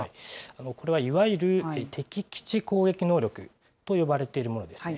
これはいわゆる敵基地攻撃能力と呼ばれているものですね。